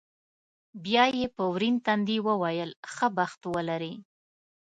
بیا یې په ورین تندي وویل، ښه بخت ولرې.